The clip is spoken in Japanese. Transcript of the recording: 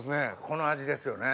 この味ですよね